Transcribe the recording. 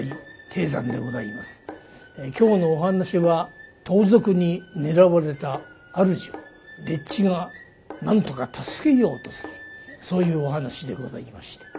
今日のお噺は盗賊に狙われた主を丁稚がなんとか助けようとするそういうお噺でございまして。